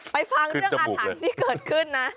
ฟังเรื่องอาถรรพ์ที่เกิดขึ้นนะ